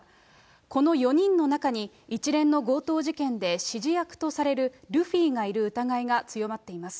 この４人の中に、一連の強盗事件で指示役とされるルフィがいる疑いが強まっています。